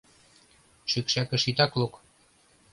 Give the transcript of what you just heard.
Шӱкшакыш итак лук!